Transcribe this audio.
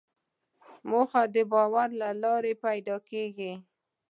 موخه د باور له لارې پیدا کېږي.